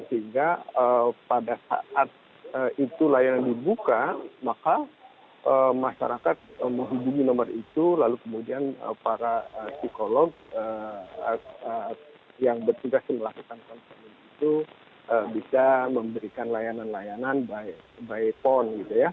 sehingga pada saat itu layanan dibuka maka masyarakat menghubungi nomor itu lalu kemudian para psikolog yang bertugas melakukan konsolidasi itu bisa memberikan layanan layanan by phone